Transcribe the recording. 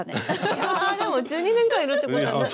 いやあでも１２年間いるってことはね。